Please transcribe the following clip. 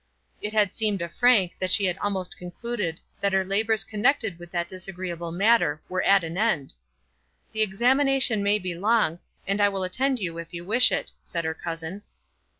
It had seemed to Frank that she had almost concluded that her labours connected with that disagreeable matter were at an end. "The examination may be long, and I will attend you if you wish it," said her cousin.